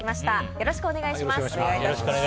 よろしくお願いします。